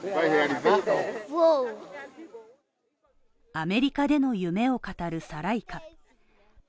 アメリカでの夢を語るサライカ。